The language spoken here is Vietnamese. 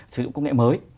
sử dụng công nghệ mới